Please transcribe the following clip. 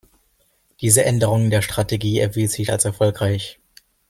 Diese Änderung der Strategie erwies sich als erfolgreich.